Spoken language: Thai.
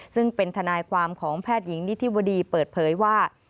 ซึ่งเป็นทนายความของแพทย์หญิงนิธิวดีเปิดเผยว่า